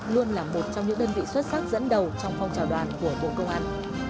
luôn là một trong những đơn vị xuất sắc dẫn đầu trong phong trào đoàn của bộ công an